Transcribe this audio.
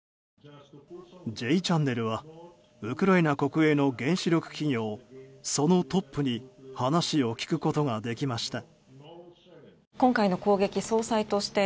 「Ｊチャンネル」はウクライナ国営の原子力企業そのトップに話を聞くことができました。